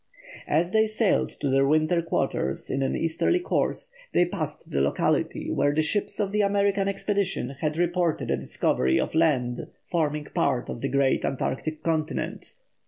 As they sailed to their winter quarters in an easterly course, they passed the locality where the ships of the American expedition had reported a discovery of land forming part of the great Antarctic continent.